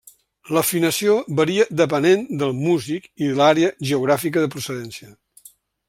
L'afinació varia depenent del músic i l'àrea geogràfica de procedència.